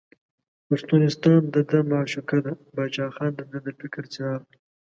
پښتونستان دده معشوقه ده، باچا خان دده د فکر څراغ دی.